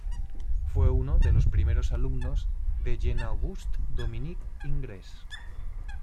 Fue uno de los primeros alumnos de Jean Auguste Dominique Ingres.